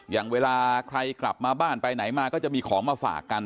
อย่างเวลาใครกลับมาบ้านไปไหนมาก็จะมีของมาฝากกัน